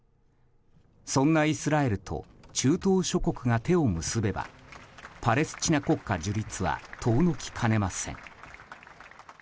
そんなイスラエルと中東諸国が手を結べばパレスチナ国家樹立は遠のきかねません。